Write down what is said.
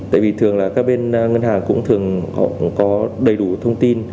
tại vì thường là các bên ngân hàng cũng thường có đầy đủ thông tin